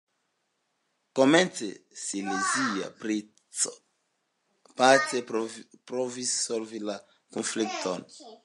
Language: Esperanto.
Komence silezia princo pace provis solvi la konflikton.